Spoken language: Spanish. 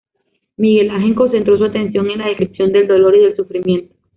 Miguel Ángel concentró su atención en la descripción del dolor y del sufrimiento.